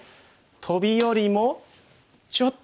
トビよりもちょっと強く。